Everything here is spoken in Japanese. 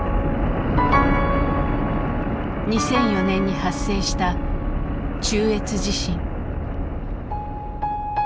２００４年に発生した中越地震。